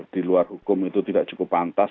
di luar hukum itu tidak cukup pantas